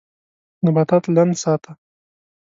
نباتات لند ساته.